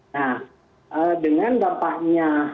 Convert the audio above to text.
nah dengan dampaknya